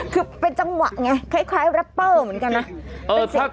คือเป็นจังหวะไงคล้ายแรปเปอร์เหมือนกันนะ